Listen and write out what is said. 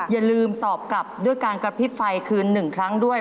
อย่าลืมตอบกลับด้วยการกระพริบไฟคืน๑ครั้งด้วย